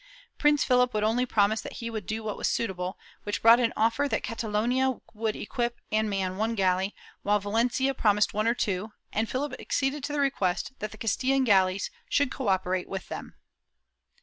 Prince Philip would only promise that he would do what was suitable, which brought an offer that Catalonia would equip and man one galley while Valencia promised one or two, and PhiUp acceded to the request that the Castilian galleys should cooperate with them.